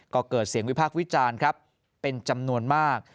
ก็เกิดเสียงวิพากษ์วิจารณ์ครับเป็นจำนวนมาก